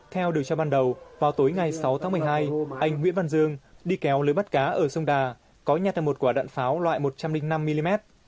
theo điều tra ban đầu vào tối ngày sáu tháng một mươi hai anh nguyễn văn dương đi kéo lưới bắt cá ở sông đà có nhà thành một quả đạn pháo loại một trăm linh năm mm